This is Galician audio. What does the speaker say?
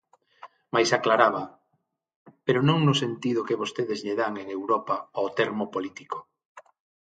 Mais aclaraba: Pero non no sentido que vostedes lle dan en Europa ao termo político.